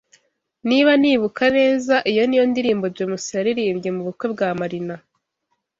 Niba nibuka neza, iyo niyo ndirimbo James yaririmbye mubukwe bwa Marina.